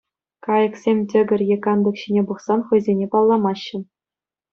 Кайӑксем тӗкӗр е кантӑк ҫине пӑхсан, хӑйсене палламаҫҫӗ.